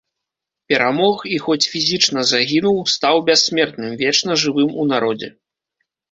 Перамог і, хоць фізічна загінуў, стаў бяссмертным, вечна жывым у народзе.